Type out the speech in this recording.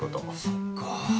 そっか。